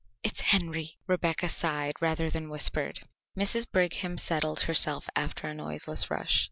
"It's Henry," Rebecca sighed rather than whispered. Mrs. Brigham settled herself after a noiseless rush.